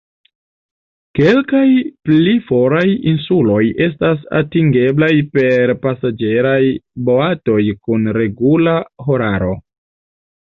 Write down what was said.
Kelkaj pli foraj insuloj estas atingeblaj per pasaĝeraj boatoj kun regula horaro.